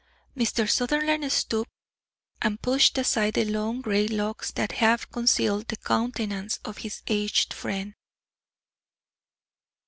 Mr. Sutherland stooped and pushed aside the long grey locks that half concealed the countenance of his aged friend.